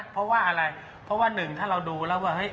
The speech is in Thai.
เพราะว่า๑ถ้าเราดูแล้วว่าฮุย